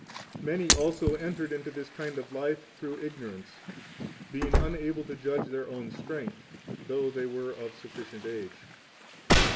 5 Many also entered into this kind of life through ignorance, being unable to judge their own strength, though they were of sufficient age.